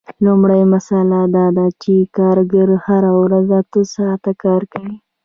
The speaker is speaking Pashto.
لومړۍ مسئله دا ده چې کارګر هره ورځ اته ساعته کار کوي